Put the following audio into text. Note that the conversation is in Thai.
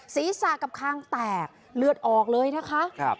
ศีรษะกับคางแตกเลือดออกเลยนะคะ